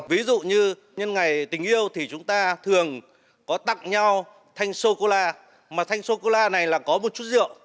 ví dụ như nhân ngày tình yêu thì chúng ta thường có tặng nhau thanh sô cô la mà thanh sô cô la này là có một chút rượu